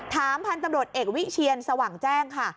พันธุ์ตำรวจเอกวิเชียนสว่างแจ้งค่ะ